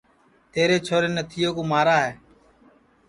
تیرے چھورین نتھیے کُو مارا ہے